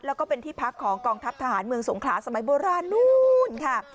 แล้วก็เป็นที่พักของกองทัพทหารเมืองสงขลาสมัยโบราณนู้นค่ะ